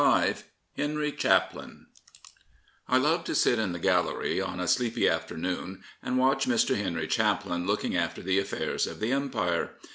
| 211 HENRY CHAPLIN I LOVE to sit in the Gallery on a sleepy afternoon and watch Mr. Henry Chaplin looking after the affairs of the Empire.